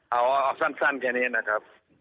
เอาสั้นแค่นี้นะครับ